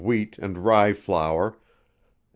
Wheat and Rye Flour, bbls.